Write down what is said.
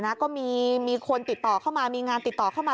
ก็มีคนติดต่อเข้ามามีงานติดต่อเข้ามา